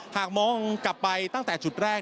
หากมองกลับไปตั้งแต่จุดแรก